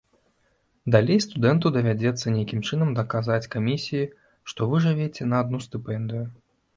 Далей студэнту давядзецца нейкім чынам даказаць камісіі, што вы жывяце на адну стыпендыю.